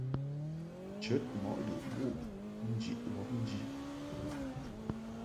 Nchəd mɔʼ lɨʼ wuʼ njiʼ wɔbnji.